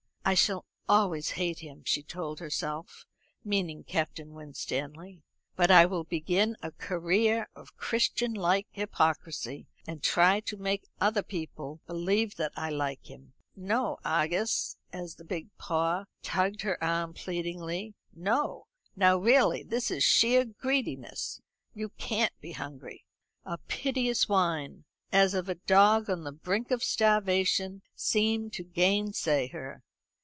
"I shall always hate him," she told herself, meaning Captain Winstanley; "but I will begin a career of Christianlike hypocrisy, and try to make other people believe that I like him. No, Argus," as the big paw tugged her arm pleadingly, "no; now really this is sheer greediness. You can't be hungry." A piteous whine, as of a dog on the brink of starvation, seemed to gainsay her.